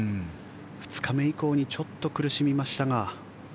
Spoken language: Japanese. ２日目以降にちょっと苦しみましたが。